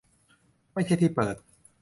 ไม่ใช่ที่เปิด